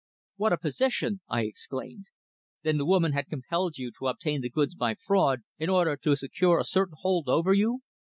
"What a position!" I exclaimed. "Then the woman had compelled you to obtain the goods by fraud in order to secure a certain hold over you?"